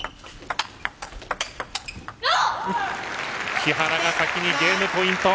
木原が先にゲームポイント。